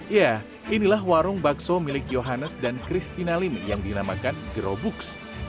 ya inilah warung bakso milik johannes dan kristina lim yang dinamakan grow books